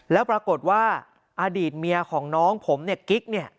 แล้วปรากฏว่าอดีตเมียของน้องผมกิ๊ก